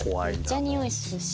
めっちゃにおいするし。